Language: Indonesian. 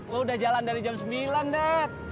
lo udah jalan dari jam sembilan det